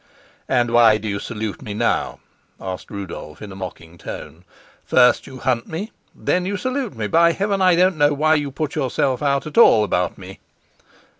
"And why do you salute me now?" asked Rudolf in a mocking tone. "First you hunt me, then you salute me. By Heaven, I don't know why you put yourself out at all about me!"